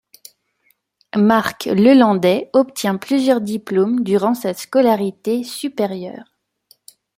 Marc Lelandais obtient plusieurs diplômes durant sa scolarité supérieure.